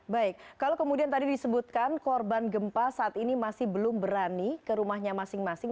baik kalau kemudian tadi disebutkan korban gempa saat ini masih belum berani ke rumahnya masing masing